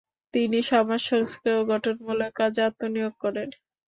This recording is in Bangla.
তিনি সমাজ সংস্কার ও গঠনমূলক কাজে আত্মনিয়োগ করেন।